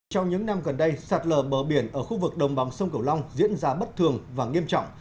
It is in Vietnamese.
trong những năm gần đây sạt lở bờ biển ở khu vực đồng bằng sông cửu long diễn ra bất thường và nghiêm trọng